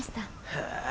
へえ。